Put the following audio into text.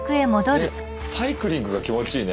サイクリングが気持ちいいね。